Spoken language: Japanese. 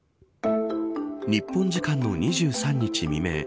日本時間の２３日未明